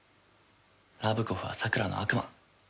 ラブコフはさくらの悪魔。